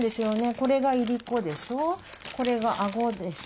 これがいりこでしょ。